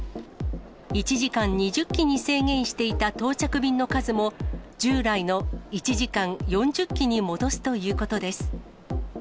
１時間２０機に制限していた到着便の数も、従来の１時間４０機に戻すということです。